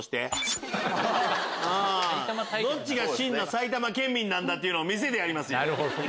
どっちが真の埼玉県民だっていうのを見せてやりますよ！